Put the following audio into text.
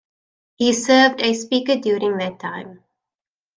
He served as Speaker during that time.